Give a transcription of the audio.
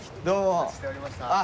お待ちしておりました。